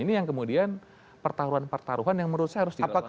ini yang kemudian pertaruhan pertaruhan yang menurut saya harus dikembalikan oleh kpk